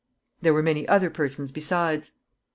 There were many other persons besides.